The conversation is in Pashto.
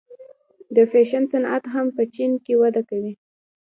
د فیشن صنعت هم په چین کې وده کوي.